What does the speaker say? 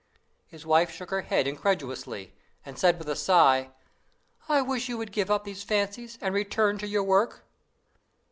His wife shook her head incredulously, and said with a sigh: "'I wish you would give up these fancies, and return to your work.